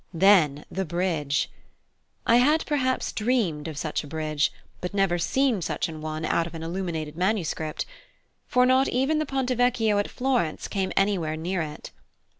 Then the bridge! I had perhaps dreamed of such a bridge, but never seen such an one out of an illuminated manuscript; for not even the Ponte Vecchio at Florence came anywhere near it.